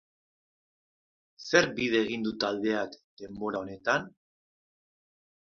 Zer bide egin du taldeak denbora honetan?